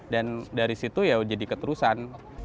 dan dari situ ya jadi keterusan